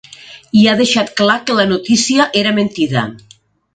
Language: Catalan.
I ha deixat clar que la notícia era mentida.